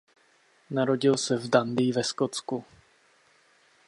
Narodil se v Dundee ve Skotsku.